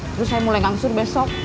terus saya mulai ngangsur besok